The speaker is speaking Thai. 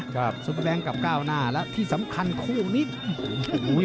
ชุปแบงค์กับก้าวหน้าแล้วที่สำคัญครูนี้